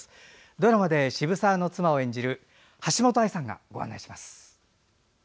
ドラマで渋沢の妻を演じる橋本愛さんがご案内します。